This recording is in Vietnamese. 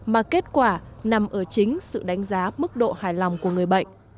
mà kết quả nằm ở chính sự đánh giá mức độ hài lòng của người bệnh